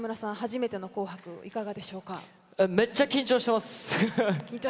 めっちゃ緊張してます。